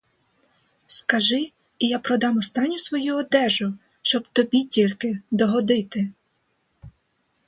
Скажи, і я продам останню свою одежу, щоб тобі тільки догодити!